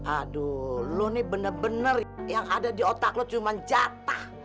aduh lo nih bener bener yang ada di otak lo cuman jatah